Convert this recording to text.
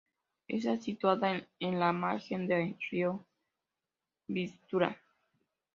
Está situada en la margen de Río Vístula.